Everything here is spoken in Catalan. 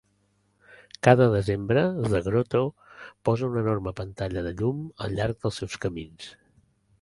Cada desembre The Grotto posa una enorme pantalla de llum al llarg dels seus camins.